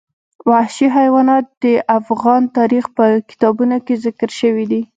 وحشي حیوانات د افغان تاریخ په کتابونو کې ذکر شوي دي.